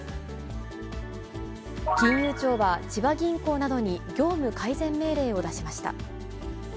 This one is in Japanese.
金融庁は、千葉銀行などに業務改善命令を出しました。